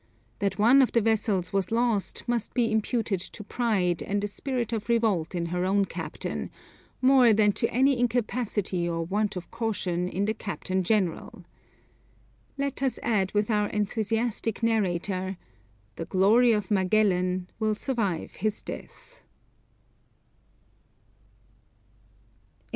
That one of the vessels was lost must be imputed to pride and a spirit of revolt in her own captain, more than to any incapacity or want of caution in the captain general. Let us add with our enthusiastic narrator, "The glory of Magellan will survive his death."